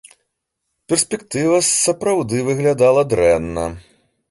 Перспектыва, сапраўды, выглядала дрэнна.